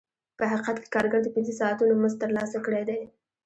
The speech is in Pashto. په حقیقت کې کارګر د پنځه ساعتونو مزد ترلاسه کړی دی